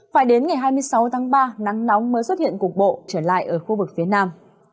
phải đến ngày hai mươi sáu tháng ba nắng nóng mới xuất hiện cục bộ trở lại ở khu vực phía nam